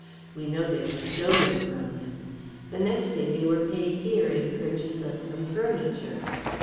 We know they were stolen from him. The next day they were paid here in purchase of some furniture."